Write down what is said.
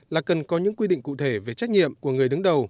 là cần có những quy định cụ thể về trách nhiệm của người đứng đầu